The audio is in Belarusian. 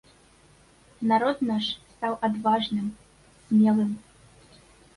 Народ наш стаў адважным, смелым.